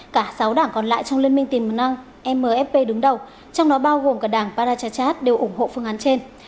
cả sáu đảng còn lại trong liên minh tiềm mầng mfp đứng đầu trong đó bao gồm cả đảng parachachat đều ủng hộ phương án trên